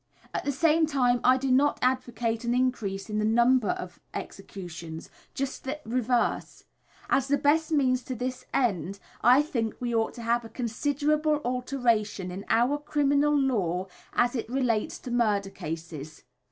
At the same time I do not advocate an increase in the number of executions just the reverse. As the best means to this end I think we ought to have a considerable alteration in our criminal law as it relates to murder cases.